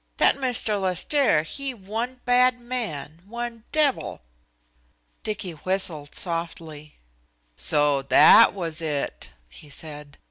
That Mr. Lestaire he one bad man, one devil." Dicky whistled softly. "So that was it?" he said.